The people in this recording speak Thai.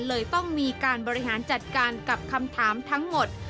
เลยต้องมีการบริหารจัดการกับคำถามทั้งหมด